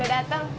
nah udah dateng